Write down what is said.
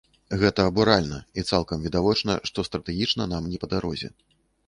Гэта абуральна, і цалкам відавочна, што стратэгічна нам не па дарозе.